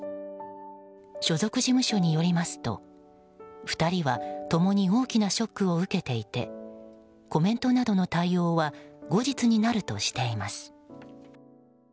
所属事務所によりますと、２人は共に大きなショックを受けていてコメントなどの対応は後日になるとしています。